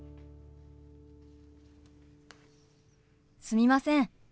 すみません。